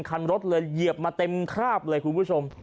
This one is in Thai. คันรถเลยเหยียบมาเต็มคราบเลยคุณผู้ชม